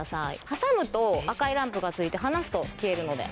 挟むと赤いランプがついて離すと消えるので。